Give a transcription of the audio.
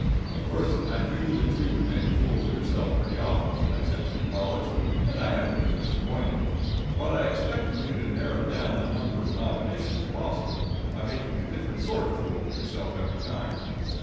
Of course, I knew that you would make a fool of yourself pretty often when I sent you to college, and I haven't been disappointed. But I expected you to narrow down the number of combinations possible by making a different sort of a fool of yourself every time.